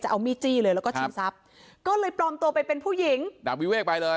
เอามีดจี้เลยแล้วก็ชิงทรัพย์ก็เลยปลอมตัวไปเป็นผู้หญิงดาบวิเวกไปเลย